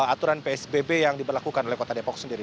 aturan psbb yang diberlakukan oleh kota depok sendiri